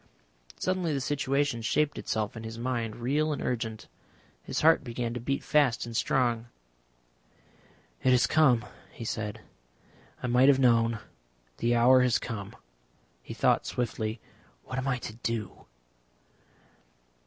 Suddenly the situation shaped itself in his mind real and urgent. His heart began to beat fast and strong. "It has come," he said. "I might have known. The hour has come." He thought swiftly. "What am I to do?"